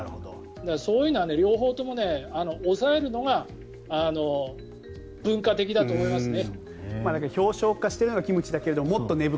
そういうのは両方とも抑えるのが文化的だと思いますね。